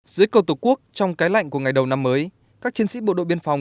dưới cầu tổ quốc trong cái lạnh của ngày đầu năm mới các chiến sĩ bộ đội biên phòng